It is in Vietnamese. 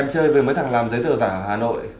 em chơi với mấy thằng làm giấy tờ giả ở hà nội